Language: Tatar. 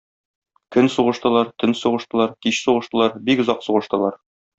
Көн сугыштылар, төн сугыштылар, кич сугыштылар, бик озак сугыштылар.